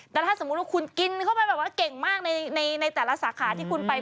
แต่ถ้าสมมุติว่าคุณกินเข้าไปแบบว่าเก่งมากในแต่ละสาขาที่คุณไป